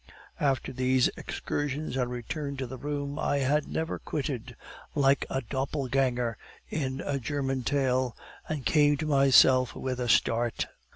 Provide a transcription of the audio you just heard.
After these excursions I returned to the room I had never quitted, like a doppelganger in a German tale, and came to myself with a start.